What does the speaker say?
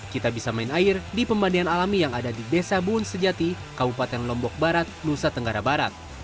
kita bisa main air di pembandingan alami yang ada di desa buun sejati kabupaten lombok barat nusa tenggara barat